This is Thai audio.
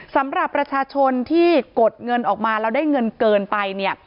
สำหรับประชาชนที่กดเงินออกมาแล้วได้เงินเกินไปเนี่ย